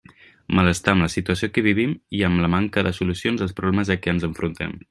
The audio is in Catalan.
Malestar amb la situació que vivim i amb la manca de solucions als problemes a què ens enfrontem.